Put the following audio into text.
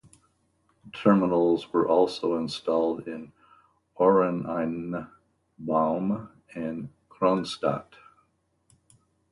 Terminals were also installed in Oranienbaum and Kronstadt.